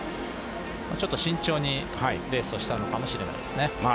ちょっと慎重にレースをしたのかもしれないですね。